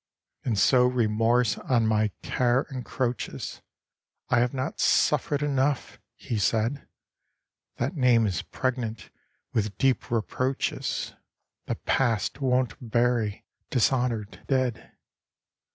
'And so remorse on my care encroaches I have not suffered enough,' he said; 'That name is pregnant with deep reproaches The past won't bury dishonoured dead!